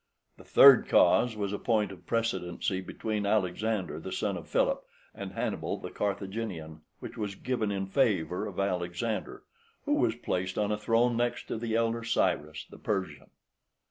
The third cause was a point of precedency between Alexander the son of Philip, and Hannibal the Carthaginian, which was given in favour of Alexander, who was placed on a throne next to the elder Cyrus, the Persian.